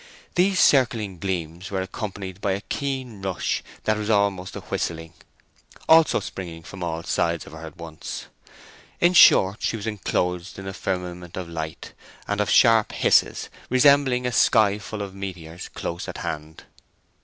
These circling gleams were accompanied by a keen rush that was almost a whistling—also springing from all sides of her at once. In short, she was enclosed in a firmament of light, and of sharp hisses, resembling a sky full of meteors close at hand.